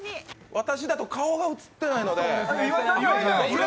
私だと顔が写ってないので。